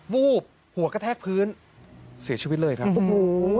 วูบหัวกระแทกพื้นเสียชีวิตเลยครับโอ้โห